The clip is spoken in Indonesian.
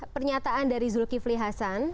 pernyataan dari zulkifli hasan